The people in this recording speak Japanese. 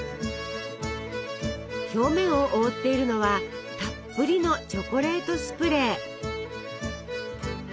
表面を覆っているのはたっぷりのチョコレートスプレー。